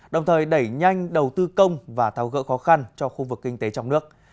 đồng thời đẩy nhanh đầu tư công và thao gỡ khó khăn cho khu vực kinh tế trong nước